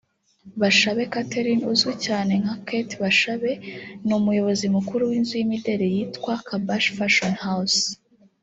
Bashabe Catherine uzwi cyane nka Kate Bashabe ni umuyobozi mukuru w’inzu y’imideri yitwa Kabash Fashion House